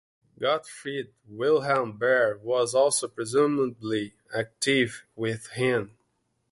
Gottfried Wilhelm Baer was also presumably active with him.